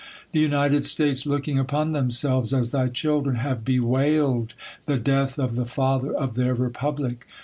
The United States, looking upon themselves as thy children, have bewailed the death of the father of their republic.